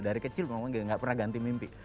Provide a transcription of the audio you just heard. dari kecil memang gak pernah ganti mimpi